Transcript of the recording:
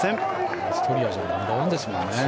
オーストリアじゃナンバーワンですもんね。